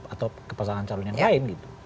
atau ke pasangan calon yang lain gitu